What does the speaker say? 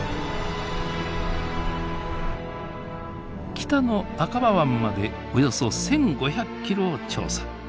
北のアカバ湾までおよそ１，５００ｋｍを調査。